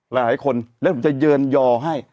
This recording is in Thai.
หลายคนแล้วผมจะเยินยอให้